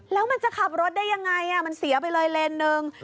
แล้วมันจะขับรถได้ยังไงมันเสียไปเลยเลนหนึ่ง